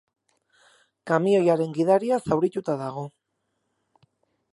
Kamioiaren gidaria zaurituta dago.